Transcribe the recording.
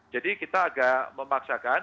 jadi kita agak memaksakan